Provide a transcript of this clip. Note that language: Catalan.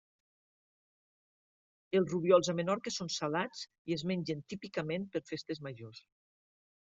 Els rubiols a Menorca són salats i es mengen típicament per festes majors.